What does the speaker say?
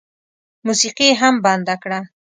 موسيقي یې هم بنده کړه.